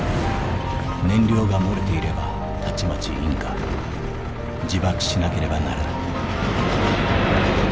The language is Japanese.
燃料が漏れていればたちまち引火自爆しなければならない」。